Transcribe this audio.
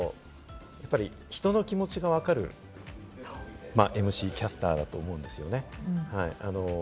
人の気持ちがわかるＭＣ・キャスターだと思うんですよね。